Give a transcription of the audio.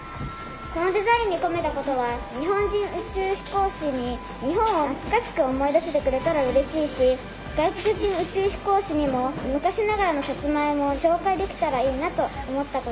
このデザインに込めたことは日本人宇宙飛行士に日本を懐かしく思い出してくれたらうれしいし外国人宇宙飛行士にも昔ながらのさつまいもを紹介できたらいいなと思ったことです。